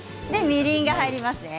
みりんが入りますね